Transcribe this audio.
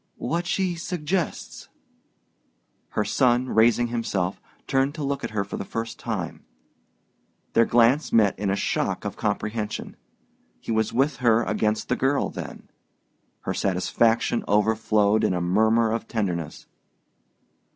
"What she suggests." Her son, raising himself, turned to look at her for the first time. Their glance met in a shock of comprehension. He was with her against the girl, then! Her satisfaction overflowed in a murmur of tenderness.